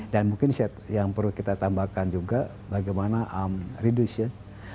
dan mungkin yang perlu kita tambahkan juga bagaimana arm reduces